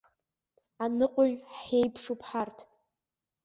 Аныҟәаҩ ҳиеиԥшуп ҳарҭ.